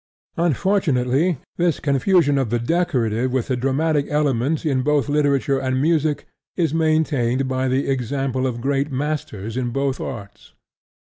Unfortunately this confusion of the decorative with the dramatic element in both literature and music is maintained by the example of great masters in both arts.